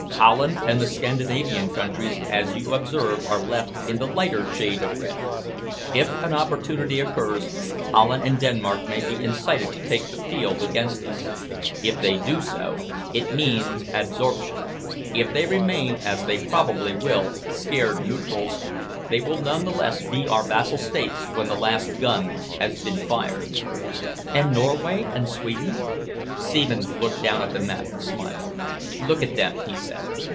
Holland and the Scandinavian countries, as you observe are left in the lighter shade of red. If an opportunity occurs, Holland and Denmark may be incited to take the field against us. If they do so, it means absorption. If they remain, as they probably will, scared neutrals, they will none the less be our vassal states when the last gun has been fired." "And Norway and Sweden?" Seaman looked down at the map and smiled. "Look at them," he said.